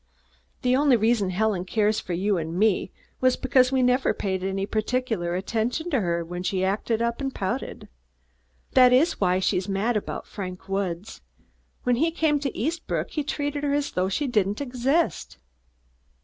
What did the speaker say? The only reason Helen cares for you and me, was because we never paid any particular attention to her when she acted up and pouted. That is why she is mad about Frank Woods. When he came to Eastbrook, he treated her as though she didn't exist."